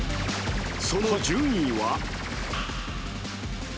その順位は？